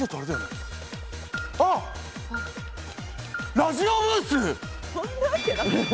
あ、ラジオブース。